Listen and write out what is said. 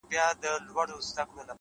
زما ځوانمرگ وماته وايي ـ